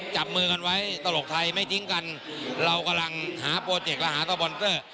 จับมือกันไว้ตลกไทยไม่ทิ้งกันเรากำลังหาโปรเจกต์และหาสบอนเซอร์